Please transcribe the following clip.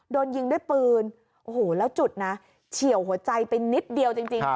โดนยิงด้วยปืนโอ้โหแล้วจุดนะเฉียวหัวใจไปนิดเดียวจริง